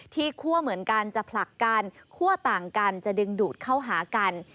คั่วเหมือนกันจะผลักกันคั่วต่างกันจะดึงดูดเข้าหากัน